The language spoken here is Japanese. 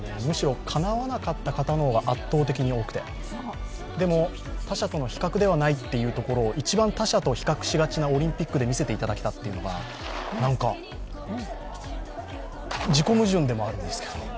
むしろかなわなかった方のほうが圧倒的に多くてでも、他者との比較ではないということを一番他者と比較しがちなオリンピックで見せてもらえたことがなんか自己矛盾でもあるんですけど。